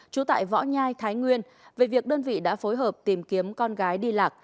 trú tại võ nhai thái nguyên về việc đơn vị đã phối hợp tìm kiếm con gái đi lạc